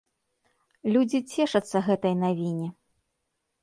Людзі цешацца гэтай навіне.